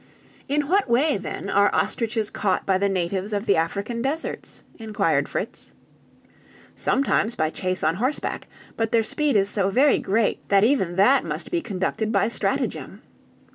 "In what way, then, are ostriches caught by the natives of the African deserts?" inquired Fritz. "Sometimes by chase on horseback; but their speed is so very great, that even that must be conducted by stratagem.